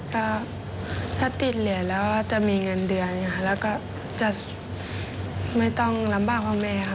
ก็ถ้าติดเหรียญแล้วจะมีเงินเดือนค่ะแล้วก็จะไม่ต้องลำบากพ่อแม่ค่ะ